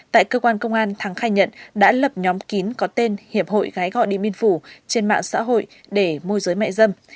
tại cơ quan công an thắng khai nhận đã lập nhóm kín có tên hiệp hội ghé gọi điện biên phủ trên mạng xã hội để môi giới mại dâm